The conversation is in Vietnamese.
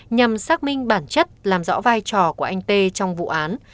nhằm xác minh bản chất làm rõ vai trò của anh t trong vụ án